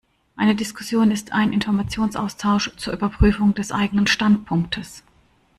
Eine Diskussion ist ein Informationsaustausch zur Überprüfung des eigenen Standpunktes.